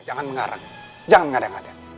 jangan mengarang jangan mengadang ada